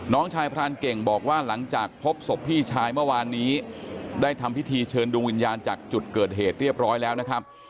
น้องชายพรานเก่งบอกว่าหลังจากพบศพพี่ชายเมื่อวานนี้ได้ทำพิธีเชิญดวงวิญญาณจากจุดเกิดเหตุเรียบร้อยแล้วนะครับ